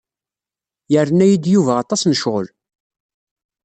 Yerna-yi-d Yuba aṭas n ccɣel.